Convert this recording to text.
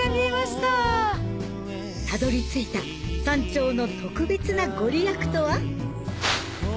たどり着いた山頂の特別な御利益とは？